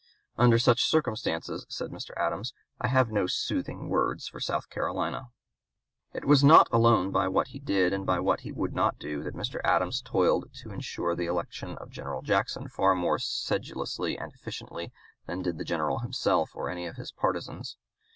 Under such circumstances, said Mr. Adams, I have no "soothing" words for South Carolina. It was not alone by what he did and by what he would not do that (p. 202) Mr. Adams toiled to insure the election of General Jackson far more sedulously and efficiently than did the General himself or any of his partisans.